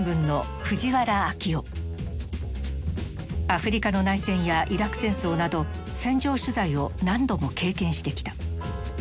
アフリカの内戦やイラク戦争など戦場取材を何度も経験してきた。